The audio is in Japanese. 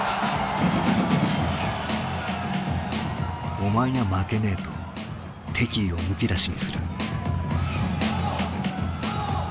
「お前にゃ負けねえ」と敵意をむき出しにする。